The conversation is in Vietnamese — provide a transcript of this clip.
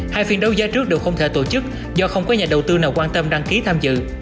hai phiên đấu giá trước đều không thể tổ chức do không có nhà đầu tư nào quan tâm đăng ký tham dự